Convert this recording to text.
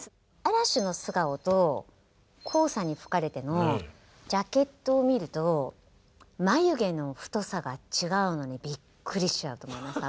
「嵐の素顔」と「黄砂に吹かれて」のジャケットを見ると眉毛の太さが違うのにびっくりしちゃうと思います。